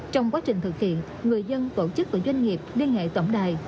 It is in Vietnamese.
trong quá trình thực hiện người dân tổ chức và doanh nghiệp liên hệ tổng đài một nghìn hai mươi hai